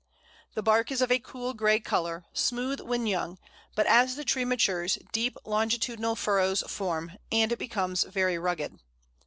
The bark is of a cool grey colour, smooth when young, but as the tree matures deep longitudinal furrows form, and it becomes very rugged.